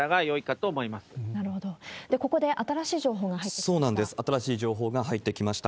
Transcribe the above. ここで新しい情報が入ってきました。